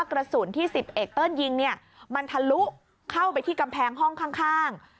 กระสุนที่๑๐เอกเติ้ลยิงเนี่ยมันทะลุเข้าไปที่กำแพงห้องข้าง